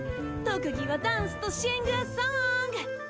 特技はダンスとシングアソング！